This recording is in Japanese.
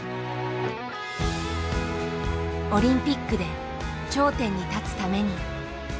オリンピックで頂点に立つために。